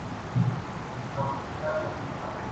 لکه تهٔ ئې داسې نشته ستمګر بل